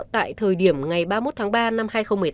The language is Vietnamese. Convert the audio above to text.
tại thời điểm ngày ba mươi một tháng ba năm hai nghìn một mươi tám